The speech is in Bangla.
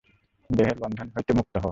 দেহের বন্ধন হইতে মুক্ত হও।